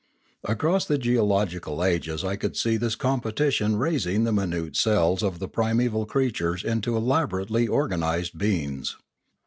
Across the geological ages I couid see this competition raising the minute cells of the primeval creatures into elaborately organised beings.